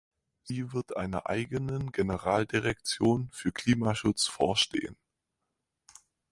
Sie wird einer eigenen Generaldirektion für Klimaschutz vorstehen.